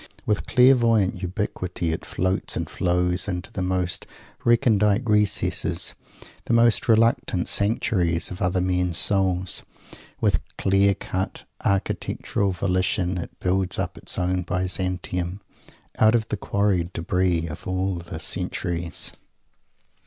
With clairvoyant ubiquity it floats and flows into the most recondite recesses, the most reluctant sanctuaries, of other men's souls. With clear cut, architectural volition it builds up its own Byzantium, out of the quarried debris of all the centuries.